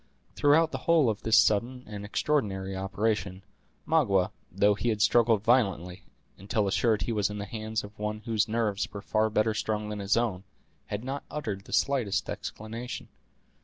Throughout the whole of this sudden and extraordinary operation, Magua, though he had struggled violently, until assured he was in the hands of one whose nerves were far better strung than his own, had not uttered the slightest exclamation.